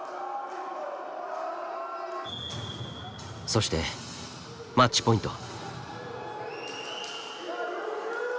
そしてマッチポイント。